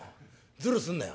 ズルすんなよ。